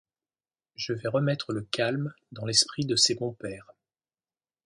Je vais remettre le calme dans l'esprit de ces bons pères.